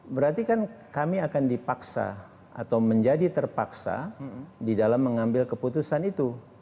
berarti kan kami akan dipaksa atau menjadi terpaksa di dalam mengambil keputusan itu